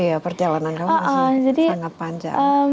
iya perjalanan kamu masih sangat panjang